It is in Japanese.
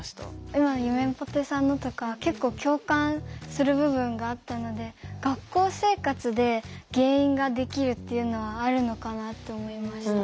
今ゆめぽてさんのとか結構共感する部分があったので学校生活で原因ができるっていうのはあるのかなと思いました。